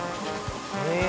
へえ。